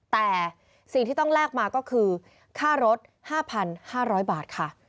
แต่สิ่งที่ต้องแลกมาก็คือค่ารถ๕๕๐๐บาทค่ะ